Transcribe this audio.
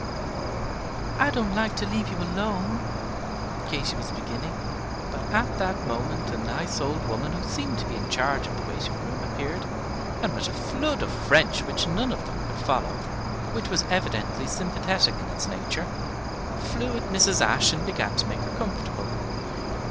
"I don't like to leave you alone," Katy was beginning; but at that moment a nice old woman who seemed to be in charge of the waiting room appeared, and with a flood of French which none of them could follow, but which was evidently sympathetic in its nature, flew at Mrs. Ashe and began to make her comfortable.